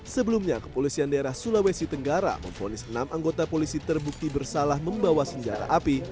sebelumnya kepolisian daerah sulawesi tenggara memfonis enam anggota polisi terbukti bersalah membawa senjata api